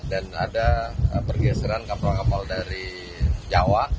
dan ada pergeseran kapal kapal dari jawa